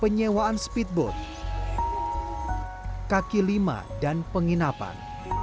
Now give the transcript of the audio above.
penyewaan speedboat kaki lima dan penginapan